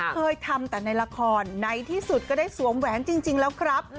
เคยทำแต่ในละครในที่สุดก็ได้สวมแหวนจริงแล้วครับ